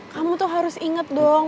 kamu tuh harus inget dong